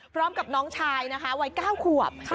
พร้อมกับน้องชายนะคะวัย๙ขวบ